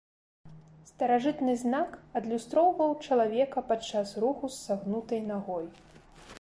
Старажытны знак адлюстроўваў чалавека падчас руху з сагнутай нагой.